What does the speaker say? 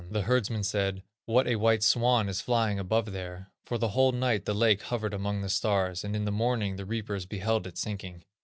The herdsmen said: 'What a white swan is flying above there!' For the whole night the lake hovered among the stars, and in the morning the reapers beheld it sinking.